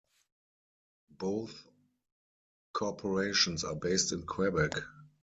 Both corporations are based in Quebec.